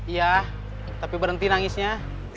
iya tapi berhenti nangisnya